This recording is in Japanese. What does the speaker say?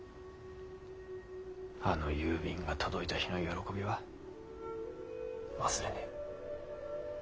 あの郵便が届いた日の喜びは忘れねぇ。